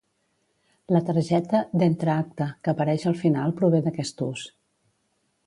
La targeta d'"entreacte" que apareix al final prové d'aquest ús.